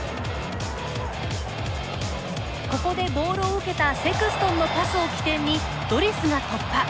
ここでボールを受けたセクストンのパスを起点にドリスが突破。